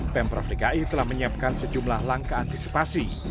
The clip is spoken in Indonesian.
pemprov dki telah menyiapkan sejumlah langkah antisipasi